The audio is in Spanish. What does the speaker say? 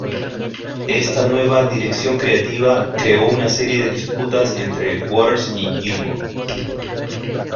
Esta nueva dirección creativa creó una serie de disputas entre Waters y Gilmour.